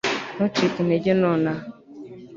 ntucike intege nonaha